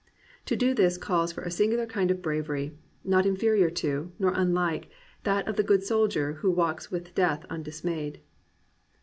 To do this calls for a singular kind of bravery, not inferior to, nor unlike, that of the good soldier who walks with Death un dismayed.